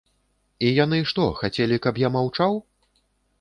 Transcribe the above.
І яны што, хацелі, каб я маўчаў?